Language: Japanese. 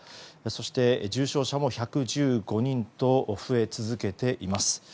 そして、重症者も１１５人と増え続けています。